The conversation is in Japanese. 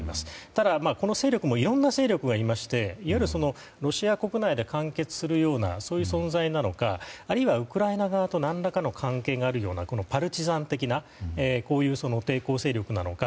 ただ、この勢力もいろんな勢力がいましていわゆるロシア国内で完結するような存在なのかあるいは、ウクライナ側と何らかの関係があるようなパルチザン的な抵抗勢力なのか。